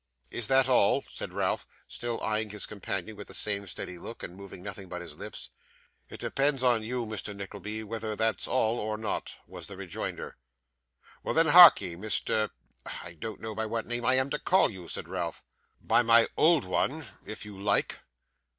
'Is that all?' said Ralph, still eyeing his companion with the same steady look, and moving nothing but his lips. 'It depends on you, Mr. Nickleby, whether that's all or not,' was the rejoinder. 'Why then, harkye, Mr , I don't know by what name I am to call you,' said Ralph. 'By my old one, if you like.